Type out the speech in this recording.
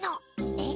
えっ？